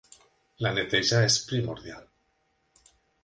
La neteja és primordial.